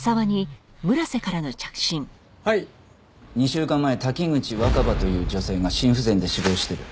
２週間前滝口若葉という女性が心不全で死亡してる。